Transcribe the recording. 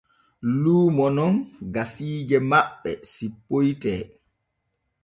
Luumo non gasiije maɓɓe sippoyte.